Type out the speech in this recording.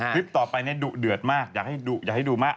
คลิปต่อไปเนี่ยดุเดือดมากอยากให้ดูมาก